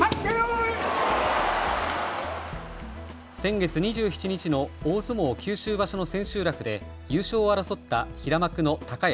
先月２７日の大相撲九州場所の千秋楽で優勝を争った平幕の高安。